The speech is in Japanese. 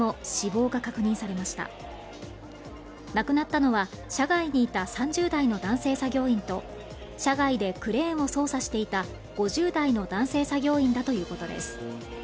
亡くなったのは車外にいた３０代の男性作業員と車外でクレーンを操作していた５０代の男性作業員だということです。